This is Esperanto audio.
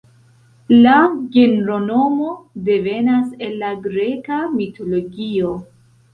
La genronomo devenas el la greka mitologio.